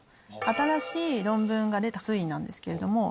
新しい論文が出た推移なんですけれども。